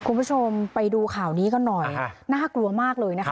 คุณผู้ชมไปดูข่าวนี้กันหน่อยน่ากลัวมากเลยนะคะ